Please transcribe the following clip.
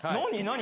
何？